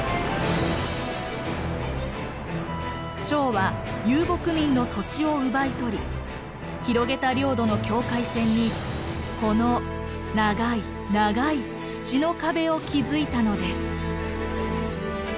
趙は遊牧民の土地を奪い取り広げた領土の境界線にこの長い長い土の壁を築いたのです。